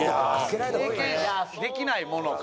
経験できないものか。